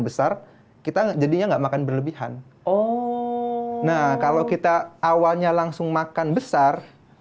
besar kita jadinya enggak makan berlebihan oh nah kalau kita awalnya langsung makan besar